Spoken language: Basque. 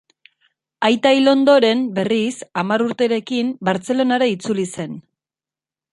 Aita hil ondoren, berriz, hamar urterekin, Bartzelonara itzuli zen.